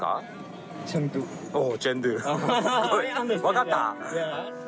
分かった？